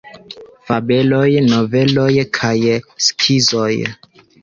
Fabeloj, Noveloj kaj Skizoj.